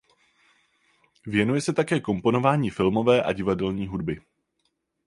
Věnuje se také komponování filmové a divadelní hudby.